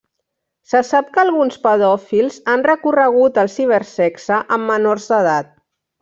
Se sap que alguns pedòfils han recorregut al cibersexe amb menors d'edat.